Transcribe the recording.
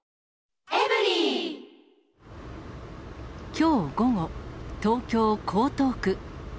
きょう午後、東京・江東区。